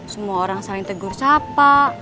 semua orang saling tegur siapa